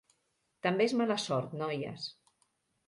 També és mala sort, noies.